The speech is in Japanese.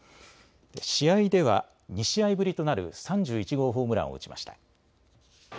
試合では２試合ぶりとなる３１号ホームランを打ちました。